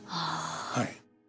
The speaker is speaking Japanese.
はい。